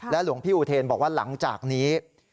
หลวงพี่อุเทนบอกว่าหลังจากนี้